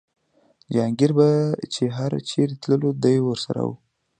جهانګیر به چې هر چېرې تللو دی ورسره و.